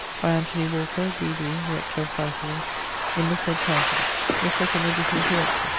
By Anthony Walker, D.D. rector of Fyfield, in the sayd countie. The 2d Edition corrected.